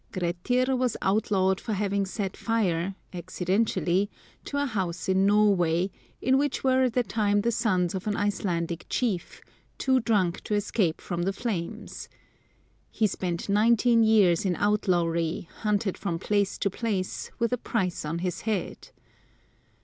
Grettir was outlawed for having set fire, accident ally, to a house in Norway, in which were at the time the sons of an Icelandic chief, too drunk to escape from the flames. He spent nineteen years in outlawry, hunted from place to place, with a price on his head.